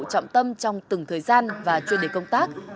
trọng tâm trong từng thời gian và chuyên đề công tác